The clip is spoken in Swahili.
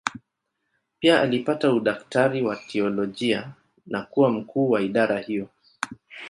Pia alipata udaktari wa teolojia na kuwa mkuu wa idara hiyo.